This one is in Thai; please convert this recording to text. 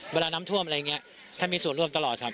เวลาน้ำท่วมอะไรอย่างนี้ท่านมีส่วนร่วมตลอดครับ